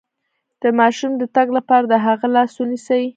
د ماشوم د تګ لپاره د هغه لاس ونیسئ